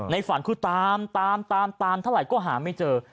ในฝันคือตามตามตามตามเท่าไหร่ก็หาไม่เจอ